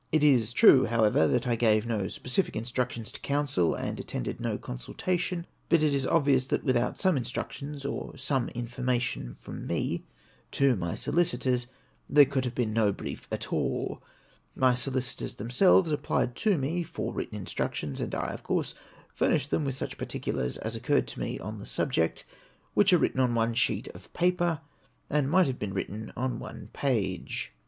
It is true, however, that I gave no specific in structions to counsel, and attended no consultation ; but it is obvious that without some instructions or some information from me to my solicitors there could have been no brief at all. My solicitors themselves applied to me for written instructions, and I, of course, furnished them with such par ticulars as occurred to me on the subject, which are written on one sheet of paper, and might have been written on one page.